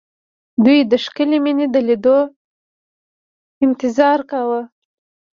دوی د ښکلې مينې د ليدو انتظار کاوه